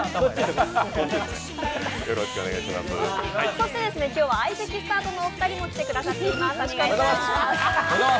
そして今日は相席スタートのお二人にも来てもらってます。